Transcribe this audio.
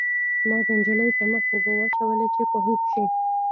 ما د نجلۍ په مخ اوبه واچولې چې په هوښ شي